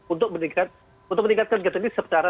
untuk meningkatkan ketenis secara